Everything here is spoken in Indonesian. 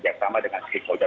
tapi tetap intens terus ya